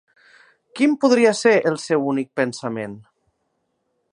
Quin podria ser el seu únic pensament?